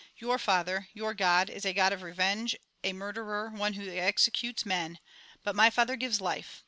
Your Father, your God, is a God of revenge, a murderer, one who executes men ; but my Father gives life.